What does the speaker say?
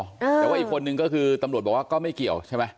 แต่ว่าอีกคนนึงก็คือตำรวจบอกว่าก็ไม่เกี่ยวใช่ไหม